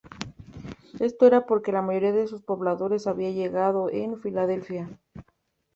Esto era porque la mayoría de sus pobladores habían llegado de Finlandia.